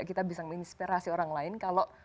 kita bisa menginspirasi orang lain kalau